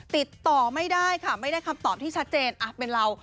ติดต่อไม่ได้ค่ะไม่ได้คำตอบที่ชัดเจนเป็นเรา